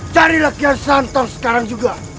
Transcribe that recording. carilah kian santan sekarang juga